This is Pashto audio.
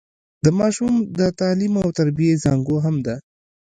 د ماشوم د تعليم او تربيې زانګو هم ده.